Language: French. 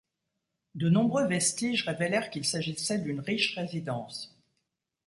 De nombreux vestiges révélèrent qu'il s'agissait d'une riche résidence.